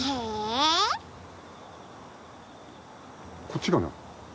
こっちかな？